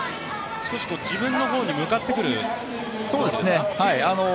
少し自分の方に向かってくるボールですか？